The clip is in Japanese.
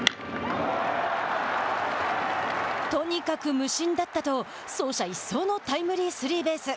「とにかく無心だった」と走者一掃のタイムリースリーベース。